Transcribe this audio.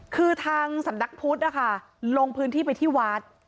คือทางสำนักพุทธนะคะลงพื้นที่ไปที่วัด